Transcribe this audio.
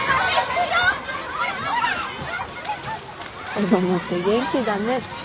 子供って元気だね。